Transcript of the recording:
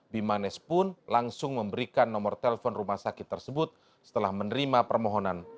bimanesh pun langsung memberikan nomor telepon rumah sakit tersebut setelah menerima permohonan